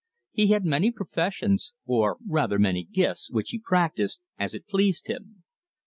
He had many professions, or rather many gifts, which he practised as it pleased him.